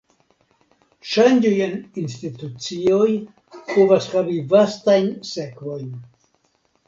Ŝanĝoj en institucioj povas havi vastajn sekvojn.